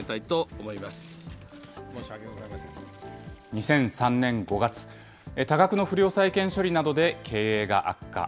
２００３年５月、多額の不良債権処理などで経営が悪化。